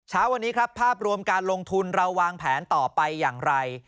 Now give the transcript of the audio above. เช้าวันนี้ครับภาพรวมการลงทุนเราวางแผนต่อไปอย่างไร